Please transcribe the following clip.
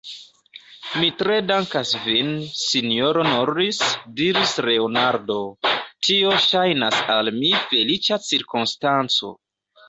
Mi tre dankas vin, sinjoro Norris, diris Leonardo; tio ŝajnas al mi feliĉa cirkonstanco.